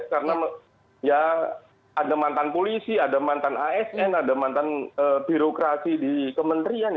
karena ada mantan polisi ada mantan asn ada mantan birokrasi di kementerian